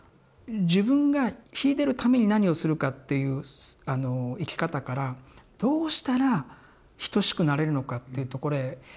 自分が秀でるために何をするかっていう生き方からどうしたら等しくなれるのかっていうところへ。